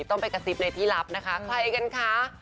ต้องไปกระซิบในที่ลับนะคะใครกันคะ